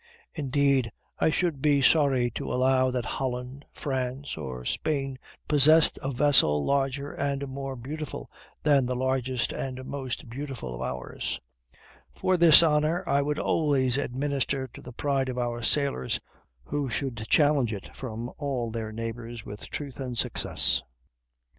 Indeed, I should be sorry to allow that Holland, France, or Spain, possessed a vessel larger and more beautiful than the largest and most beautiful of ours; for this honor I would always administer to the pride of our sailors, who should challenge it from all their neighbors with truth and success.